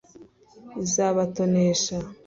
izabatonesha